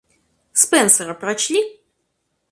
Спенсера прочли?